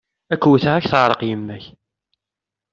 Ad k-wwteɣ, ad ak-teεreq yemma-k!